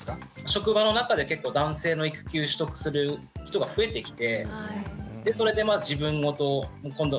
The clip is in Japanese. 職場の中で結構男性の育休取得する人が増えてきてそれで自分事今度